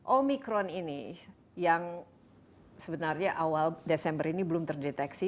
omikron ini yang sebenarnya awal desember ini belum terdeteksi